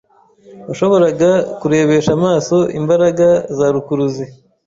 washoboraga kurebesha amaso imbaraga za rukuruzi